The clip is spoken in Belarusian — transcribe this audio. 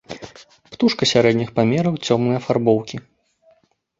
Птушка сярэдніх памераў, цёмнай афарбоўкі.